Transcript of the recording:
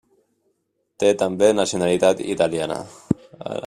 Té també nacionalitat italiana.